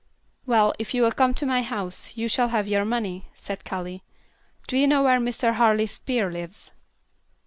"Well, if you will come to my house, you shall have your money," said Callie. "Do you know where Mr. Harley Spear lives?"